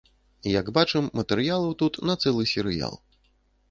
Як бачым, матэрыялаў тут на цэлы серыял.